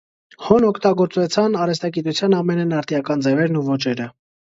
Հոն օգտագործուեցան արհեստագիտութեան ամէնէն արդիական ձեւերն ու ոճերը։